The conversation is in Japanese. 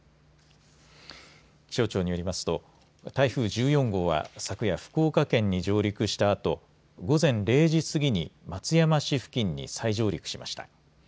気象庁によりますと台風１４号は昨夜福岡県に上陸したあと午前０時すぎに松山市付近に再上陸しました。